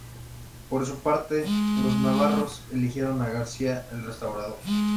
Por su parte, los navarros eligieron a García "el Restaurador".